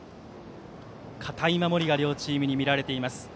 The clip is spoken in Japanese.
堅い守りが両チームに見られています。